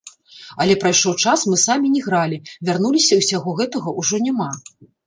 Але прайшоў час, мы самі не гралі, вярнуліся і ўсяго гэтага ўжо няма.